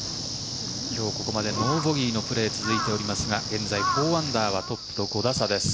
今日ここまでノーボギーのプレーが続いておりますが現在４アンダーはトップと５打差です。